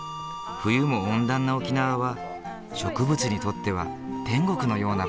冬も温暖な沖縄は植物にとっては天国のような場所。